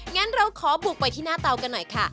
งั้นเราขอบุกไปที่หน้าเตากันหน่อยค่ะ